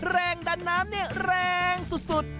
แรงดันน้ำนี่แรงสุด